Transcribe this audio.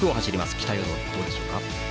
期待はどうでしょうか。